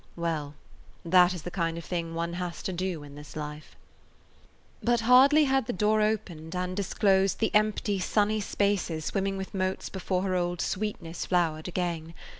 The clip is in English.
Well, that is the kind of thing one has to do in this life. [Page 168] But hardly had the door opened and disclosed the empty, sunny spaces swimming with motes before her old sweetness flowered again.